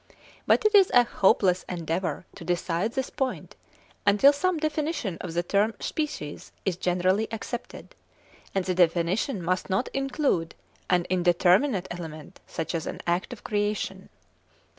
But it is a hopeless endeavour to decide this point, until some definition of the term "species" is generally accepted; and the definition must not include an indeterminate element such as an act of creation.